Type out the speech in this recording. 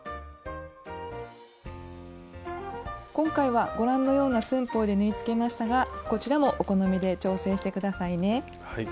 今回はご覧のような寸法で縫いつけましたがこちらもお好みで調整して下さいね。